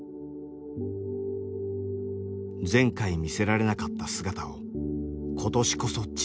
前回見せられなかった姿を今年こそ父に見せる。